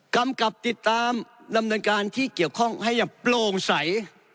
กำกับติดตามดำเนินการที่เกี่ยวข้องให้อย่างโปร่งใส